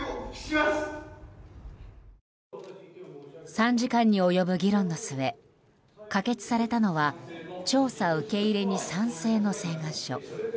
３時間に及ぶ議論の末可決されたのは調査受け入れに賛成の請願書。